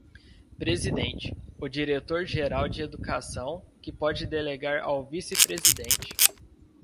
Presidente: o Diretor Geral de Educação, que pode delegar ao Vice-Presidente.